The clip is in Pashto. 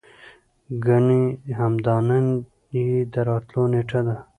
ګني همدا نن يې د راتللو نېټه ده.